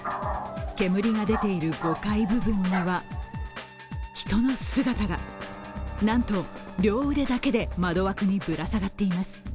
煙が出ている５階部分には人の姿がなんと、両腕だけで窓枠にぶら下がっています。